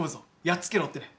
やっつけろってね。